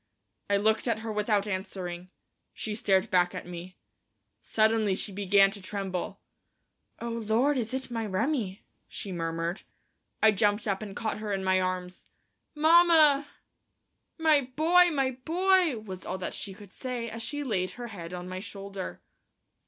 I looked at her without answering; she stared back at me. Suddenly she began to tremble. "Oh, Lord, is it my Remi!" she murmured. I jumped up and caught her in my arms. "Mamma!" "My boy! my boy!" was all that she could say, as she laid her head on my shoulder.